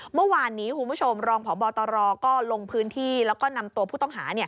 เมื่อวานนี้คุณผู้ชมรองพบตรก็ลงพื้นที่แล้วก็นำตัวผู้ต้องหา